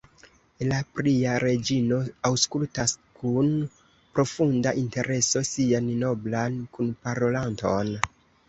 La pia reĝino aŭskultas kun profunda intereso sian noblan kunparolanton.